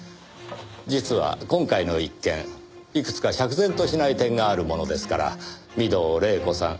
実は今回の一件いくつか釈然としない点があるものですから御堂黎子さん